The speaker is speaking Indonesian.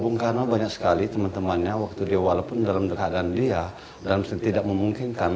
bung karno banyak sekali teman temannya waktu dia walaupun dalam keadaan dia dalam tidak memungkinkan